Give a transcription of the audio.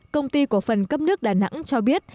công ty cổ phần cấp nước đà nẵng cho biết